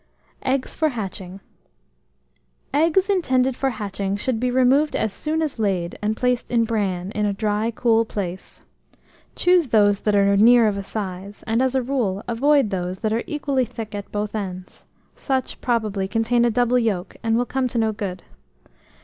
EGGS FOR HATCHING. Eggs intended for hatching should be removed as soon as laid, and placed in bran in a dry, cool place. Choose those that are near of a size; and, as a rule, avoid those that are equally thick at both ends, such, probably, contain a double yolk, and will come to no good.